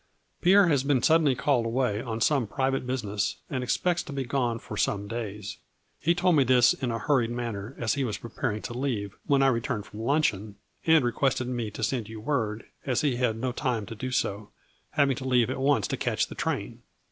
Pierre has been suddenly called away on some private business, and expects to be gone for some days. He told me this in a hurried manner, as he was preparing to leave, when I returned from luncheon, and requested me to send you word, as he had no time to do so, having to leave at once to catch the train.